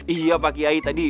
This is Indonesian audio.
iya pak kiai tadi